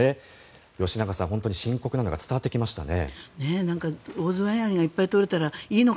吉永さん、本当に深刻なのが伝わってきましたね。